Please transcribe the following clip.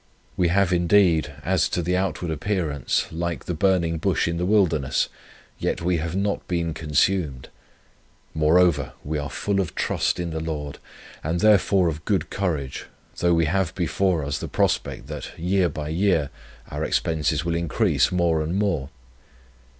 We have indeed, as to the outward appearance, like the 'Burning Bush in the Wilderness;' yet we have not been consumed. Moreover, we are full of trust in the Lord, and therefore of good courage, though we have before us the prospect, that, year by year, our expenses will increase more and more.